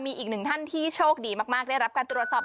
มีอีกหนึ่งท่านที่โชคดีมากได้รับการตรวจสอบ